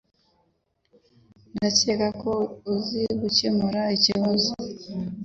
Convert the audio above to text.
Ndakeka ko uzi gukemura ikibazo.